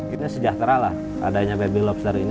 ini sejahteralah adanya baby lobster ini